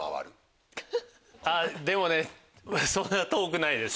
でもねそんな遠くないです。